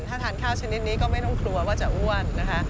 ถ้าทานข้าวชนิดนี้ก็ไม่ต้องกลัวว่าจะอ้วนนะคะ